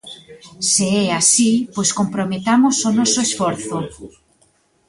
Se é así, pois comprometamos o noso esforzo.